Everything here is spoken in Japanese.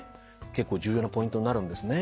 結構重要なポイントになるんですね。